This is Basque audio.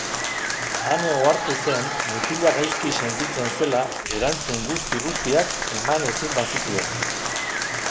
Ane ohartu zen mutila gaizki sentitzen zela erantzun guzti-guztiak eman ezin bazituen.